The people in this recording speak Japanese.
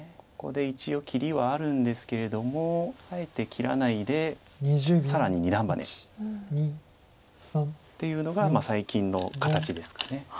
ここで一応切りはあるんですけれどもあえて切らないで更に二段バネっていうのが最近の形ですか。